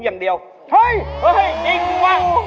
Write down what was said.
เห้ยจริงวะ